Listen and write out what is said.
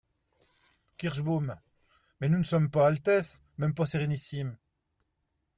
Kirschbaum. — Mais nous qui ne sommes pas Altesses, mêmes pas sérénissimes !…